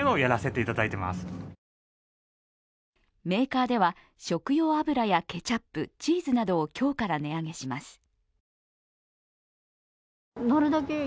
メーカーでは食用油やケチャップ、チーズなどを今日から値上げします。